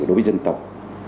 đối với dân tộc